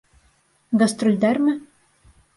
Гастролдәрме?